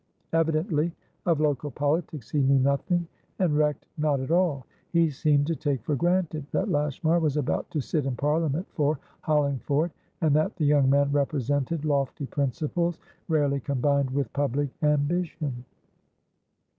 Evidently of local politics he knew nothing and recked not at all; he seemed to take for granted that Lashmar was about to sit in Parliament for Hollingford, and that the young man represented lofty principles rarely combined with public ambition.